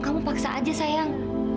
kamu paksa aja sayang